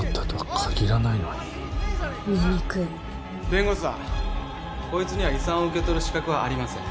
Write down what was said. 弁護士さんこいつには遺産を受け取る資格はありません。